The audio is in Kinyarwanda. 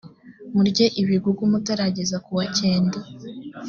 murye ibigugu mutarageza ku wa cyenda `